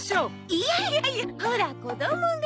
いやいやいやほら子供が。